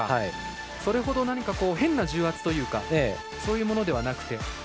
それほど変な重圧というかそういうものではなくて。